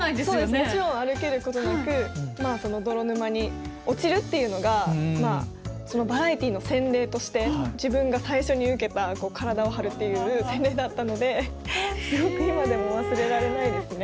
もちろん歩けることなくまあその泥沼に落ちるっていうのがそのバラエティーの洗礼として自分が最初に受けた体を張るっていう洗礼だったのですごく今でも忘れられないですね。